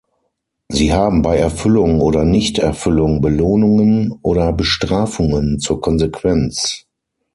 Sie haben bei Erfüllung oder Nichterfüllung Belohnungen oder Bestrafungen zur Konsequenz.